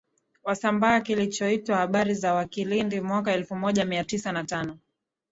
Wasambaa kilichoitwa Habari za Wakilindi mwaka elfumoja miatisa na tano